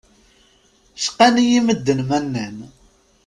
Cqan-iyi medden ma nnan.